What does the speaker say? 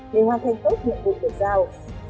để hoàn thành tốt nhiệm vụ được giao